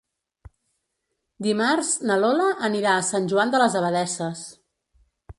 Dimarts na Lola anirà a Sant Joan de les Abadesses.